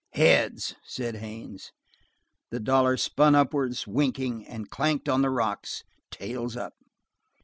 "Heads!" said Haines. The dollar spun upwards, winking, and clanked on the rocks, tails up.